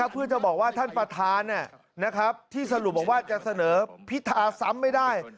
เพื่อจะบอกว่าท่านประธานที่สรุปบอกว่าจะเสนอพิธาซ้ำไม่ได้